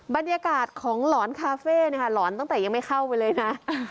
บรรยากาศของหลอนคาเฟ่หลอนตั้งแต่ยังไม่เข้าไปเลยนะ